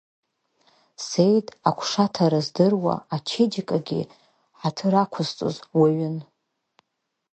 Сеид агәшаҭара здыруаз, ачеиџьыкагьы ҳаҭыр ақәызҵоз уаҩын.